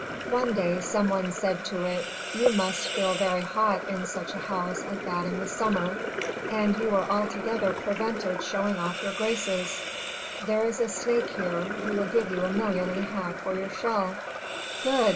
One day some one said to it, 'You must feel very hot in such a house as that in the summer, and you are altogether prevented showing off your graces; there is a snake here, who will give you a million and a half for your shell.'" "Good!"